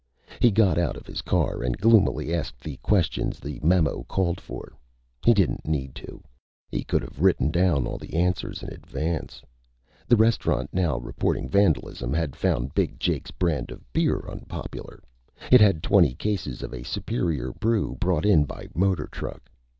He got out of his car and gloomily asked the questions the memo called for. He didn't need to. He could have written down all the answers in advance. The restaurant now reporting vandalism had found big Jake's brand of beer unpopular. It had twenty cases of a superior brew brought in by motor truck.